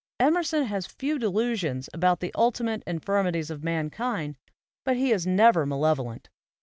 Emerson has few delusions about the ultimate infirmities of mankind, but he is never malevolent.